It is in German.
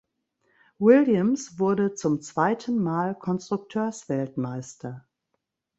Williams wurde zum zweiten Mal Konstrukteursweltmeister.